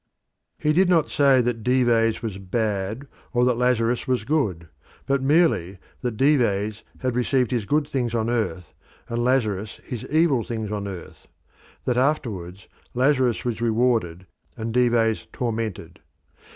He did not say that Dives was bad or that Lazarus was good, but merely that Dives had received his good things on earth and Lazarus his evil things on earth, that afterwards Lazarus was rewarded and Dives tormented.